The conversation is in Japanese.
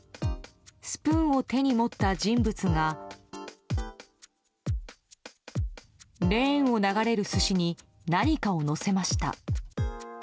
スプーンを手に持った人物がレーンを流れる寿司に何かを乗せました。